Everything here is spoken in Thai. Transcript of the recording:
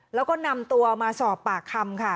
แล้วก็นำตัวมาสอบปากคำค่ะ